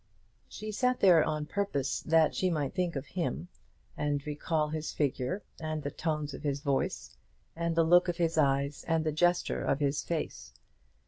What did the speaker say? She sat there on purpose that she might think of him, and recall his figure, and the tones of his voice, and the look of his eyes, and the gesture of his face.